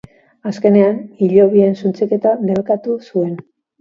Azkenean, hilobien suntsiketa debekatu zuen.